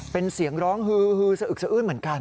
เป็นเสียงร้องฮือสะอึกสะอื้นเหมือนกัน